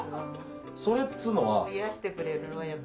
それっつうのは。